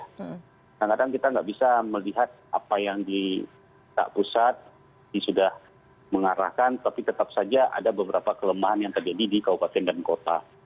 kadang kadang kita nggak bisa melihat apa yang di pusat ini sudah mengarahkan tapi tetap saja ada beberapa kelemahan yang terjadi di kabupaten dan kota